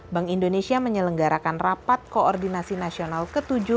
bank indonesia menyelenggarakan rapat koordinasi nasional ke tujuh